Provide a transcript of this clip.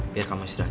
biar kamu istirahat